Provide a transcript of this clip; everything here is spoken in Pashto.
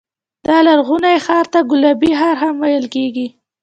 دا لرغونی ښار ته ګلابي ښار هم ویل کېږي.